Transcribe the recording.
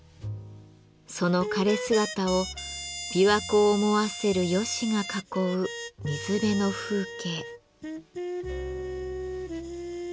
その枯れ姿を琵琶湖を思わせるヨシが囲う水辺の風景。